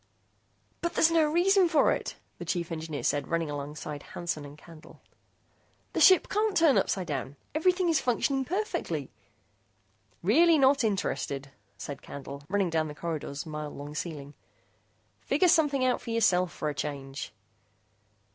"But there's no reason for it!" the chief engineer said, running alongside Hansen and Candle. "The ship can't turn upsidedown. Everything is functioning perfectly!" "Really not interested," said Candle, running down the corridor's mile long ceiling. "Figure something out for yourself for a change."